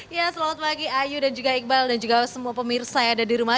ya selamat pagi ayu dan juga iqbal dan juga semua pemirsa yang ada di rumah